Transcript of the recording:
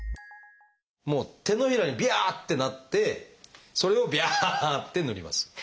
もう手のひらにビャってなってそれをビャって塗ります。